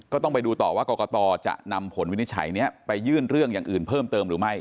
ก็ต้องไปดูต่อว่ากรกตจะนำผลวินิจฉัยนี้ไปยื่นเรื่องอย่างอื่นเพิ่มเติมหรือไม่